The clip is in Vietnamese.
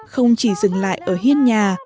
không chỉ dừng lại ở hiên nhà